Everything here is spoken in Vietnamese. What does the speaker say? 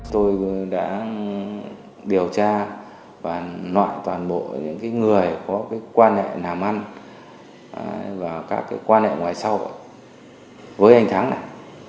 tôi đã điều tra và loại toàn bộ những người có quan hệ làm ăn và các quan hệ ngoài xã hội với anh thắng này